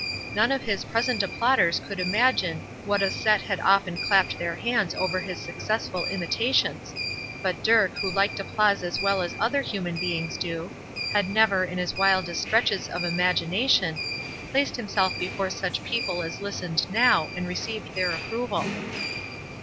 None of his present applauders could imagine what a set had often clapped their hands over his successful imitations; but Dirk, who liked applause as well as other human beings do, had never, in his wildest stretches of imagination, placed himself before such people as listened now and received their approval.